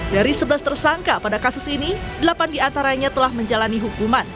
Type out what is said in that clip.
dari sebelas tersangka pada kasus ini delapan diantaranya telah menjalani hukuman